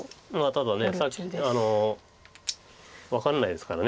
ただ分かんないですから。